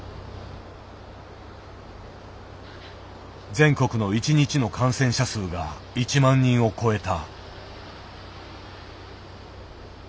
全国の一日の感染者数が１万人を超えた。